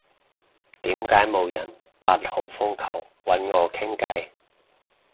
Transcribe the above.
點解冇人八號風球搵我傾偈？